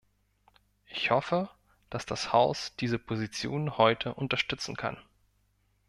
Ich hoffe, dass das Haus diese Position heute unterstützen kann.